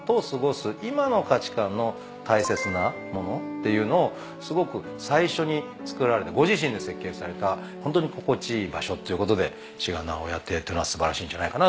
今の価値観の大切なものっていうのをすごく最初につくられたご自身で設計されたホントに心地いい場所っていうことで志賀直哉邸というのは素晴らしいんじゃないかなという。